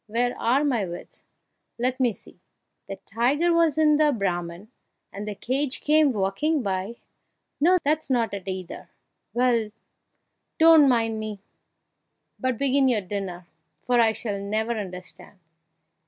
where are my wits? Let me see the tiger was in the Brahman, and the cage came walking by no, that's not it, either! Well, don't mind me, but begin your dinner, for I shall never understand!"